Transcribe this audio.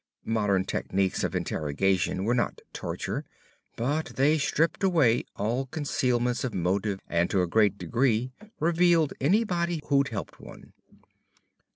Modern techniques of interrogation were not torture, but they stripped away all concealments of motive and to a great degree revealed anybody who'd helped one.